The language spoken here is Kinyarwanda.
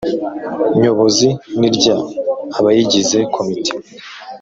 Nyobozi nirya abayigize komite